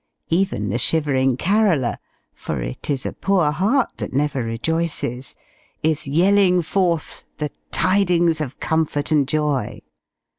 Even the shivering caroller, for "it is a poor heart that never rejoices," is yelling forth the "tidings of comfort and joy."